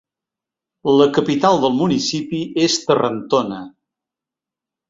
La capital del municipi és Terrantona.